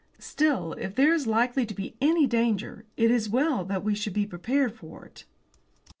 Still, if there is likely to be any danger it is as well that we should be prepared for it."